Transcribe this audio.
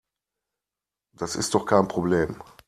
Das ist doch kein Problem.